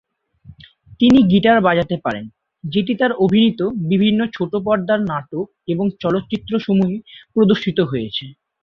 তিনি গিটার বাজাতে পারেন, যেটি তার অভিনীত বিভিন্ন ছোট পর্দার নাটক এবং চলচ্চিত্র সমূহে প্রদর্শিত হয়েছে।